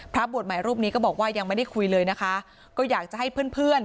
บวชใหม่รูปนี้ก็บอกว่ายังไม่ได้คุยเลยนะคะก็อยากจะให้เพื่อนเพื่อน